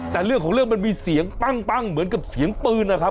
แต่เรื่องของเรื่องมันมีเสียงปั้งเหมือนกับเสียงปืนนะครับ